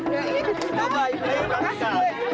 terima kasih bu